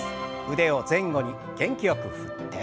腕を前後に元気よく振って。